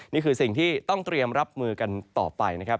นี่คือสิ่งที่ต้องเตรียมรับมือกันต่อไปนะครับ